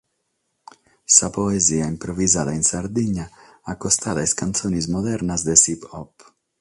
Sa poesia improvisada in Sardigna acostada a sas cantzones modernas de s’hip hop.